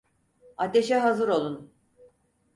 Ateşe hazır olun!